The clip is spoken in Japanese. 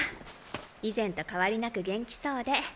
以前と変わりなく元気そうで。